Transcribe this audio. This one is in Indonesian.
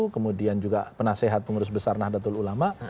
kemudian juga penasehat pengurus besar nahdlatul ulama